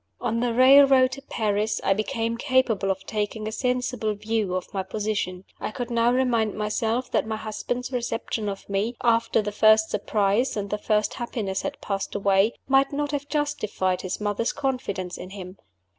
On the railroad to Paris, I became capable of taking a sensible view of my position. I could now remind myself that my husband's reception of me after the first surprise and the first happiness had passed away might not have justified his mother's confidence in him.